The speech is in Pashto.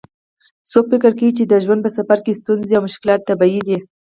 څوک فکر کوي چې د ژوند په سفر کې ستونزې او مشکلات طبیعي دي